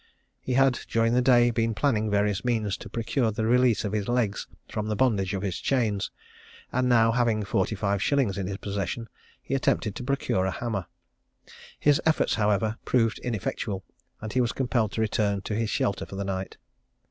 He had during the day been planning various means to procure the release of his legs from the bondage of his chains, and now having forty five shillings in his possession, he attempted to procure a hammer. His efforts, however, proved ineffectual, and he was compelled to return to his shelter for the night.